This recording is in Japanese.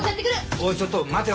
おいちょっと待てよ。